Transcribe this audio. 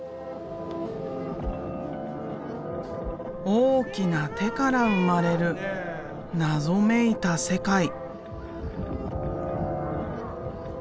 大きな手から生まれる謎めいた世界。